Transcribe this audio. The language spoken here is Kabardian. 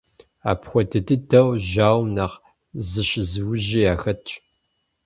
Апхуэдэ дыдэу, жьауэм нэхъ зыщызыужьи яхэтщ.